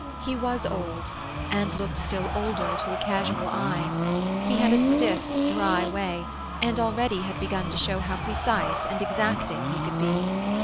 He was old, and looked still older to a casual eye. He had a stiff dry way, and already had begun to show how precise and exacting he could be.